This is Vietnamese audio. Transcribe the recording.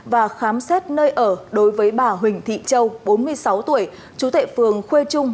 và khám xét nơi ở đối với bà huỳnh thị châu bốn mươi sáu tuổi chú tệ phường khuê trung